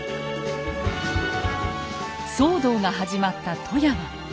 騒動が始まった富山。